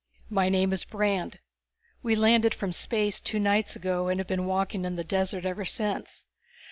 "My name is Brandd. We landed from space two nights ago and have been walking in the desert ever since.